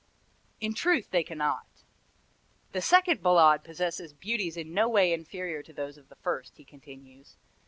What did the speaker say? In truth they cannot. "The second Ballade possesses beauties in no way inferior to those of the first," he continues.